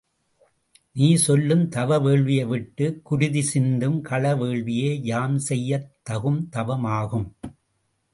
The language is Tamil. நீ சொல்லும் தவ வேள்வியை விட்டுக் குருதி சிந்தும் கள வேள்வியே யாம் செய்யத் தகும் தவம் ஆகும்.